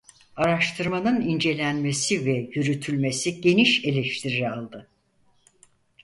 Araştırmanın incelenmesi ve yürütülmesi geniş eleştiri aldı.